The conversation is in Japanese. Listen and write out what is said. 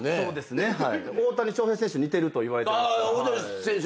大谷翔平選手に似てるといわれてます。